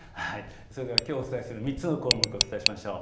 きょうお伝えする３つの項目、お伝えしましょう。